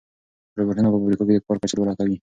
روبوټونه په فابریکو کې د کار کچه لوړه کوي.